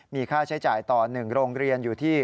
มีค่าใช้จ่ายต่อ๑โรงเรียนอยู่ที่